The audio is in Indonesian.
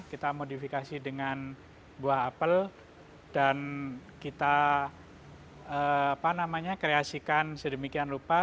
kita modifikasi dengan buah apel dan kita kreasikan sedemikian rupa